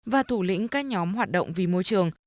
và thủ lĩnh các nhóm hoạt động vì môi trường